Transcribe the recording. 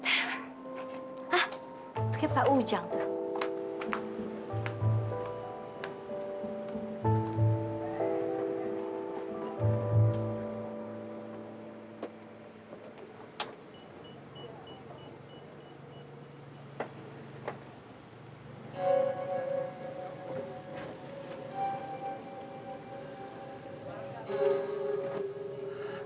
hah itu kan pak ujang tuh